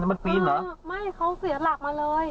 ไม่เขาเสียหลักมาเลย